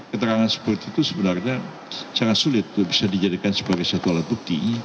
keterangan seperti itu sebenarnya sangat sulit untuk bisa dijadikan sebagai satu alat bukti